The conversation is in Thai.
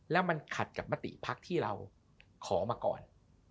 แล้วมันขัดกับมติภักดิ์ที่เราขอมาก่อน